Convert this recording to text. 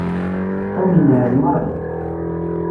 Tom yenɛel Mary.